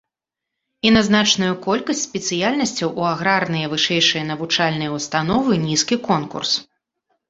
І на значную колькасць спецыяльнасцяў у аграрныя вышэйшыя навучальныя ўстановы нізкі конкурс.